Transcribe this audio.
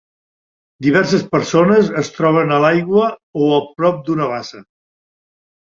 Diverses persones es troben a l'aigua o a prop d'una bassa